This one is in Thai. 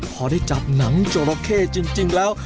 พอได้จับหนังจราเข้จริงแล้ว